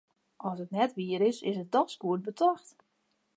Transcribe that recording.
As it net wier is, is it dochs goed betocht.